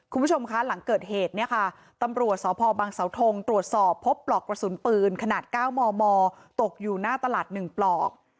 คุณผู้ชมคะหลังเกิดเหตุเนี่ยค่ะตำรวจสพบังเสาทงตรวจสอบพบปลอกกระสุนปืนขนาด๙มมตกอยู่หน้าตลาด๑ปลอก